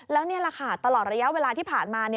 แล้วนี่แหละค่ะตลอดระยะเวลาที่ผ่านมา